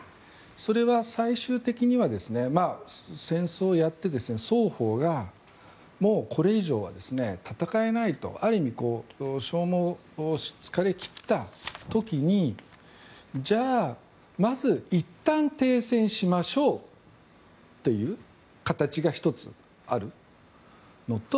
それは、最終的には戦争をやって双方がこれ以上は戦えないとある意味消耗、疲れ切った時にじゃあ、まずいったん停戦しましょうという形が１つあるのと。